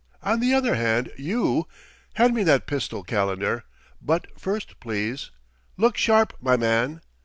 On the other hand, you ... Hand me that pistol, Calendar, butt first, please. Look sharp, my man!